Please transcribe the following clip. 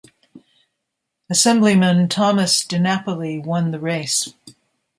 Assemblyman Thomas DiNapoli won the race.